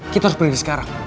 kita harus pergi sekarang